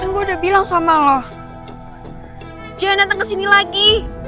kan gue udah bilang sama lo jangan dateng kesini lagi